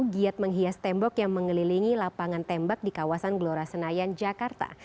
giat menghias tembok yang mengelilingi lapangan tembak di kawasan gelora senayan jakarta